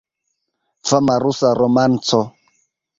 Fama rusa romanco.